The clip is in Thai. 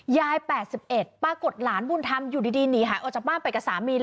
๘๑ปรากฏหลานบุญธรรมอยู่ดีหนีหายออกจากบ้านไปกับสามี